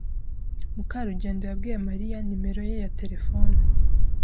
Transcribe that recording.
Mukarugendo yabwiye Mariya nimero ye ya terefone.